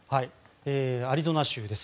アリゾナ州です。